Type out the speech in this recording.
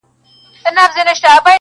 خو افلاین و